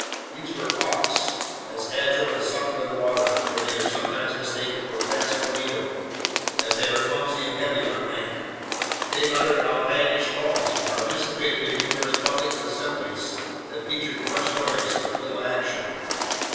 These were auks, as agile and supple in water, where they are sometimes mistaken for fast bonito, as they are clumsy and heavy on land. They uttered outlandish calls and participated in numerous public assemblies that featured much noise but little action.